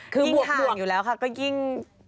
ดึงทางอยู่แล้วค่ะก็ยิ่ง